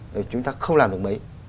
thì chúng ta không làm được mấy